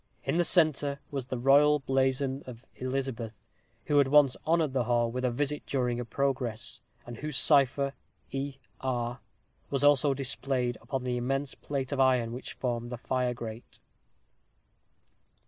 In the centre was the royal blazon of Elizabeth, who had once honored the hall with a visit during a progress, and whose cipher E. R. was also displayed upon the immense plate of iron which formed the fire grate.